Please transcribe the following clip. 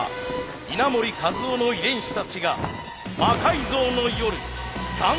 稲盛和夫の遺伝子たちが「魔改造の夜」参戦。